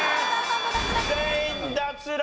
全員脱落！